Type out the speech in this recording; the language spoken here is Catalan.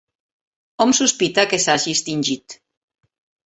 Hom sospita que s'hagi extingit.